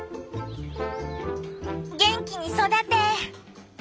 元気に育て！